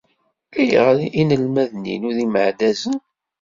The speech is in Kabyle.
Ayɣer inelmaden-inu d imeɛdazen?